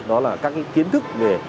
đó là các kiến thức về